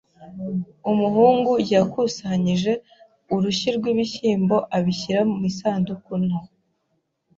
Umuhungu yakusanyije urushyi rw'ibishyimbo abishyira mu isanduku nto.